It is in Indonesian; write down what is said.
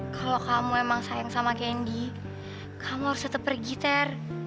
kalau kamu emang sayang sama kandy kamu harus tetep pergi ter